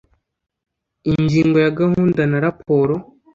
Ingingo ya gahunda na raporo